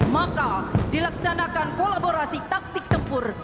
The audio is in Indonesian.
maka dilaksanakan kolaborasi taktik tempur